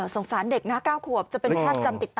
สงสารเด็กนะ๙ขวบจะเป็นภาพจำติดตา